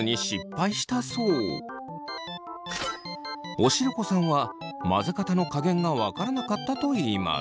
おしるこさんは混ぜ方の加減が分からなかったといいます。